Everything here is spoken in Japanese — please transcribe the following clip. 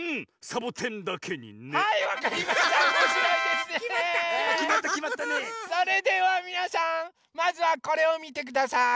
それではみなさんまずはこれをみてください。